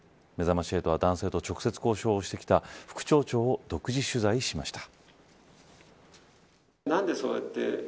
めざまし８は男性と直接交渉してきた副町長を独自取材しました。